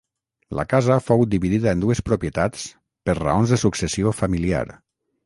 La casa fou dividida en dues propietats per raons de successió familiar.